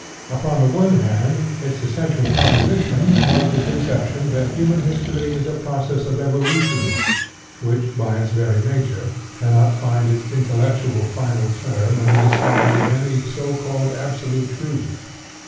Upon the one hand, its essential proposition was the conception that human history is a process of evolution, which, by its very nature, cannot find its intellectual final term in the discovery of any so called absolute truth.